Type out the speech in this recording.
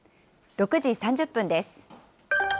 ６時３０分です。